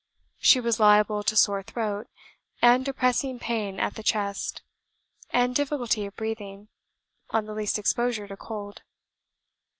She was liable to sore throat, and depressing pain at the chest, and difficulty of breathing, on the least exposure to cold.